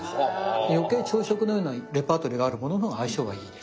余計朝食のようなレパートリーがあるもののが相性はいいです。